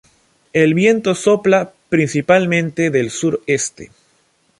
El viento sopla principalmente del sureste.